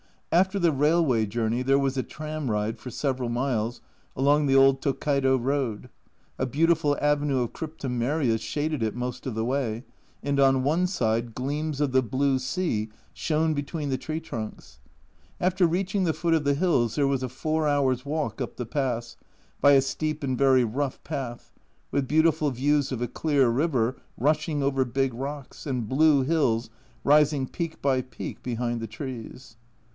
After the railway journey there was a tram ride for several miles along the old Tokkaido road ; a beautiful avenue of Crypto merias shaded it most of the way, and on one side gleams of the blue sea shone between the tree trunks. After reaching the foot of the hills there was a four hours' walk up the pass, by a steep and very rough path, with beautiful views of a clear river rushing over big rocks, and blue hills rising peak by peak behind the trees.